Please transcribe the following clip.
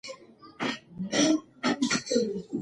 کواساکي د ټولنیزو مناسباتو څېړنه کوي.